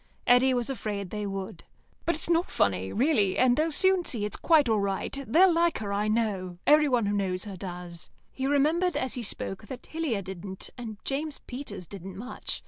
Eddy was afraid they would. "But it's not funny, really, and they'll soon see it's quite all right. They'll like her, I know. Everyone who knows her does." He remembered as he spoke that Hillier didn't, and James Peters didn't much.